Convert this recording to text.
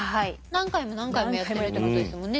何回も何回もやってるってことですもんね